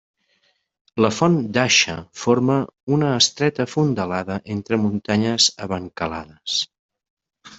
La Font d'Aixa forma una estreta fondalada entre muntanyes abancalades.